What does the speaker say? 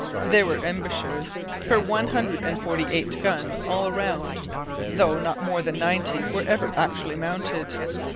There were embrasures for one hundred and forty eight guns all round; though not more than ninety were ever actually mounted.